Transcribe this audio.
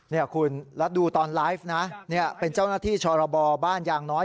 นี่คุณแล้วดูตอนไลฟ์นะเป็นเจ้าหน้าที่ชรบบ้านยางน้อย